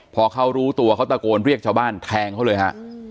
พอเขารู้ตัวเขาตะโกนเรียกชาวบ้านแทงเขาเลยฮะ